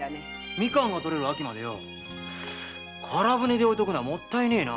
みかんが取れる秋まで空船で置いとくのはもったいねえな。